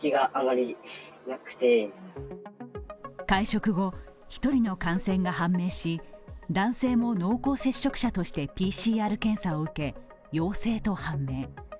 会食後、１人の感染が判明し、男性も濃厚接触者としてＰＣＲ検査を受け、陽性と判明。